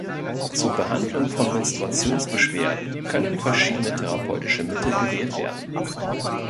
Zur Behandlung von Menstruationsbeschwerden können verschiedene therapeutische Mittel gewählt werden.